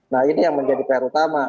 nah ini yang menjadi perutama